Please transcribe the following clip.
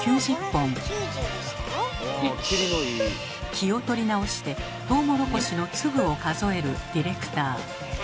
気を取り直してトウモロコシの粒を数えるディレクター。